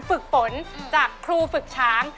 ฝึกฝนจากครูฝึกช้าง